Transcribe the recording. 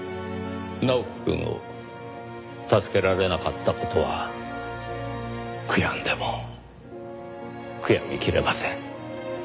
直樹くんを助けられなかった事は悔やんでも悔やみきれません。